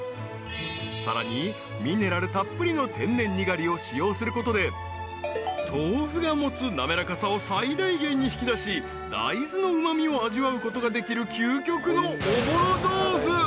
［さらにミネラルたっぷりの天然にがりを使用することで豆腐が持つ滑らかさを最大限に引き出しダイズのうま味を味わうことができる］